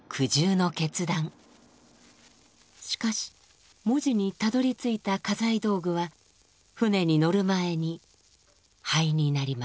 しかし門司にたどりついた家財道具は船に乗る前に灰になりました。